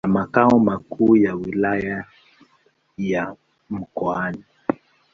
na makao makuu ya Wilaya ya Mkoani.